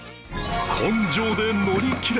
根性で乗り切れ！